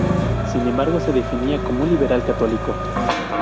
Sin embargo, se definía como un liberal católico.